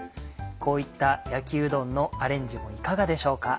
こういった焼きうどんのアレンジいかがでしょうか？